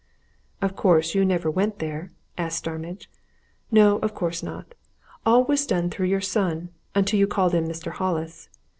"Of course you never went there?" asked Starmidge. "No, of course not. All was done through your son, until you called in Mr. Hollis.